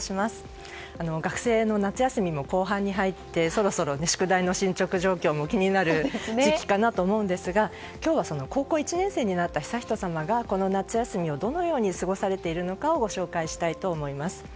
学生の夏休みも後半に入りそろそろ宿題の進捗状況も気になる時期ですが今日は高校１年生になった悠仁さまがこの夏休みをどのように過ごされているのかをご紹介したいと思います。